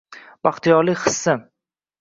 Baxtiyorlik hissi